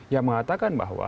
yang mengatakan bahwa